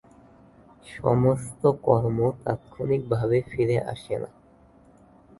সমস্ত কর্ম তাৎক্ষণিকভাবে ফিরে আসে না।